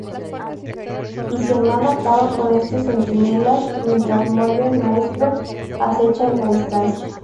Iceman acaba con estos Centinelas mientras Molde Maestro acecha en la distancia.